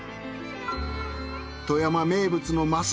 富山名物のます